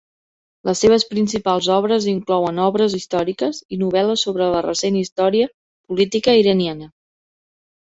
Les seves principals obres inclouen obres històriques i novel·les sobre la recent història política iraniana.